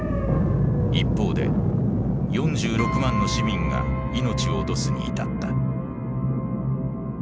一方で４６万の市民が命を落とすに至った。